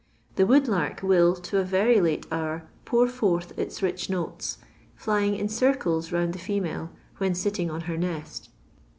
Th« Wood Uirk will, to a very late hour, pour forth ita rich notes, flying in circles round the female, when sitting on her nest.